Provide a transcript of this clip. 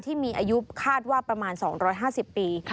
ที่มีอายุคาดว่าประมาณ๒๕๐ปี